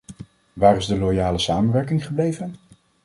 Waar is de loyale samenwerking gebleven?